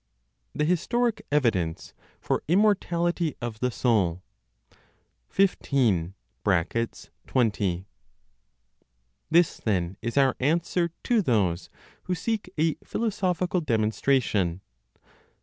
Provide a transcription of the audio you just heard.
THE HISTORIC EVIDENCE FOR IMMORTALITY OF THE SOUL. 15. (20). This, then, is our answer to those who seek a philosophical demonstration.